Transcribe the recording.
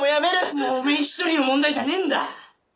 もうおめぇ１人の問題じゃねぇんだ！